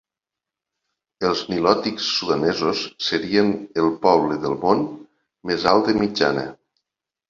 Els nilòtics sudanesos serien el poble del món més alt de mitjana.